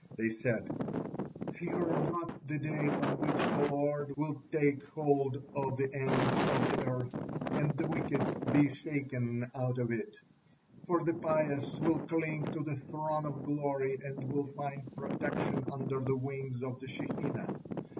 They said: "Fear not the day on which the Lord will 'take hold of the ends of the earth, and the wicked be shaken out of it,' for the pious will cling to the Throne of Glory and will find protection under the wings of the Shekinah.